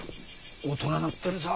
大人なってるさ。